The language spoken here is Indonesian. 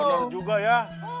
bener juga ya